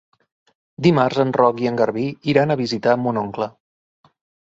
Dimarts en Roc i en Garbí iran a visitar mon oncle.